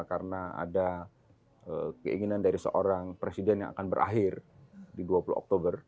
karena ada keinginan dari seorang presiden yang akan berakhir di dua puluh oktober